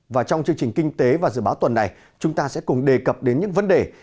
và trong chương trình kinh tế và dự báo tuần này chúng ta sẽ cùng đề cập đến những vấn đề